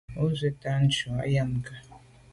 O zwi’t’a ntshu am ké.